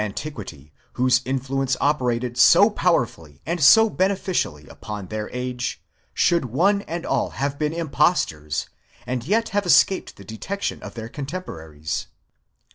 antiquity, whose influence operated so powerfully and so beneficially upot® their age, should one and all have been impostors, and yet have escaped the detection of their contemporaries